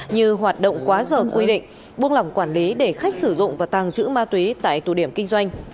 như hoạt động quá giờ quy định buông lỏng quản lý để khách sử dụng và tàng trữ ma túy tại tù điểm kinh doanh